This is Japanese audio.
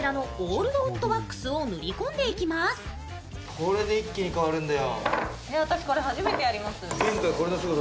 これで一気に変わるんだよ。